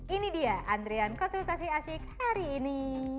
ini dia antrian konsultasi asik hari ini